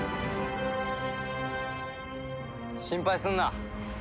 心配すんな。